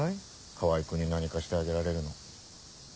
川合君に何かしてあげられるの。